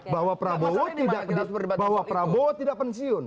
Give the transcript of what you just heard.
bahwa prabowo tidak pensiun